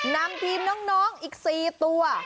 นำทีมน้องอีก๔ตัว